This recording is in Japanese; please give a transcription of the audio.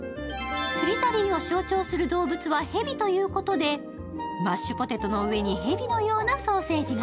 スリザリンを象徴する動物はへびということで、マッシュポテトの上にへびのようなソーセージが。